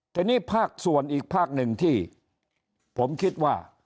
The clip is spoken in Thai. ทีนี้ภาคส่วนอีกภาคหนึ่งที่ผมคิดว่า